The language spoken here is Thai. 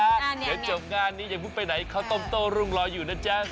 เหนือจบงานนี้อย่าพุ่งไปไหนเขาต้มโต้ลุงรออยู่นะจ๊ะ